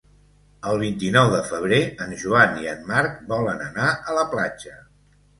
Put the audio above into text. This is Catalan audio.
El vint-i-nou de febrer en Joan i en Marc volen anar a la platja.